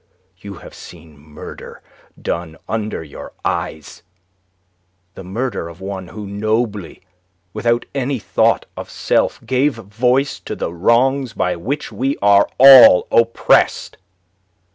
You have seen murder done under your eyes the murder of one who nobly, without any thought of self, gave voice to the wrongs by which we are all oppressed.